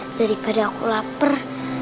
daripada aku lapar